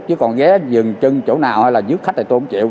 chứ còn ghé dừng chân chỗ nào hay là dứt khách này tôi không chịu